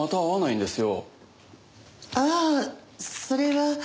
ああそれは。